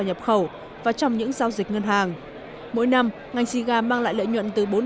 nhập khẩu và trong những giao dịch ngân hàng mỗi năm ngành siga mang lại lợi nhuận từ bốn